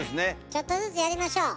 ちょっとずつやりましょう。